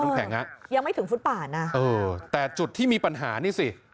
แข็งฮะยังไม่ถึงฟุตป่านะเออแต่จุดที่มีปัญหานี่สิ